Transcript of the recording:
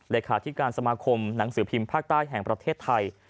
เลขาธิการสมาคมหนังสือพิมพ์ภาคใต้แห่งประเทศไทย